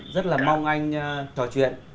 rất là mong anh trò chuyện